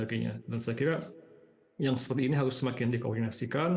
dan saya kira yang seperti ini harus semakin dikoordinasikan